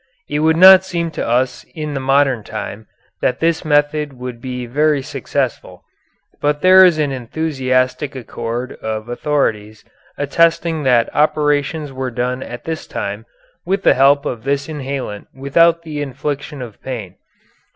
It would not seem to us in the modern time that this method would be very successful, but there is an enthusiastic accord of authorities attesting that operations were done at this time with the help of this inhalant without the infliction of pain.